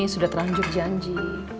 sudah terlanjur janji